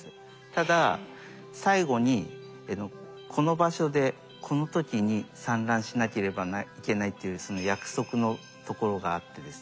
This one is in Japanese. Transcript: ただ最後にこの場所でこの時に産卵しなければいけないっていう約束の所があってですね。